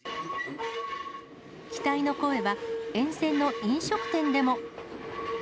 期待の声は沿線の飲食店でも。